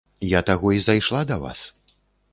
Я таго і зайшла да вас.